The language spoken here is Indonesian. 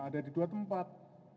ada di dua tempat